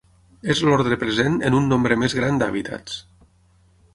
És l'ordre present en un nombre més gran d’hàbitats.